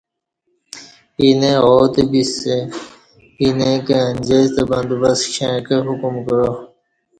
اینہ آتہ بسہ اینہ کہ انجی ستہ بندوبست کشیعں کہ حکم کعا